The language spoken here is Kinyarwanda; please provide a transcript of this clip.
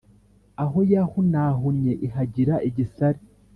Aho yahunahunnye ihagira igisare